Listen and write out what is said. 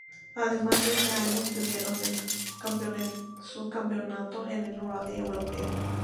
Además ese año obtuvieron el subcampeonato en el Rally Europeo.